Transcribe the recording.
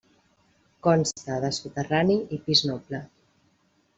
Consta de soterrani i pis noble.